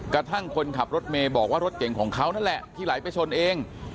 กระทั่งคนขับรถเมย์บอกว่ารถเก่งของเขานั่นแหละที่ไหลไปชนเอง